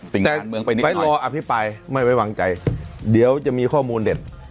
แต่ไปรออภิปรายไม่ไว้วางใจเดี๋ยวจะมีข้อมูลเด็ด